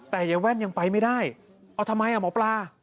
แต่ยายแว่นยังไปไม่ได้เอาทำไมอ่ะหมอปลา